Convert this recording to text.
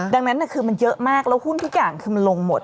ดังนั้นคือมันเยอะมากแล้วหุ้นทุกอย่างคือมันลงหมด